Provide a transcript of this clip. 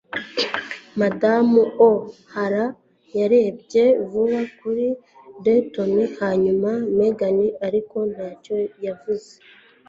Madamu O'Hara yarebye vuba kuri Denton hanyuma Megan, ariko ntacyo yavuze.